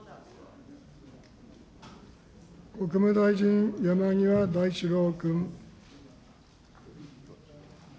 国務大臣、山際大志郎君。